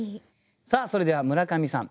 さあそれでは村上さん